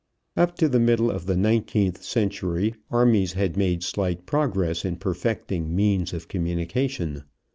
Up to the middle of the nineteenth century armies had made slight progress in perfecting means of communication.